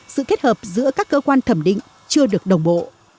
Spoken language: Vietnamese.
sự kết hợp giữa các cơ quan thẩm định chưa được đồng bộ